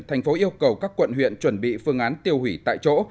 tp hcm yêu cầu các quận huyện chuẩn bị phương án tiêu hủy tại chỗ